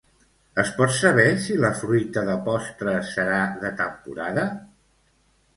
Es pot saber si la fruita de postres serà de temporada?